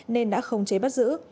nên đã không chế bắt giữ